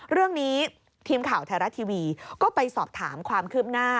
เรื่องนี้ทีมข่าวไทยรัฐทีวีก็ไปสอบถามความคืบหน้า